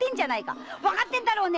わかってるんだろうね